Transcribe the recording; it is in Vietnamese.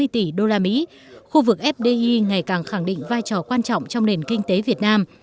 tỷ usd khu vực fdi ngày càng khẳng định vai trò quan trọng trong nền kinh tế việt nam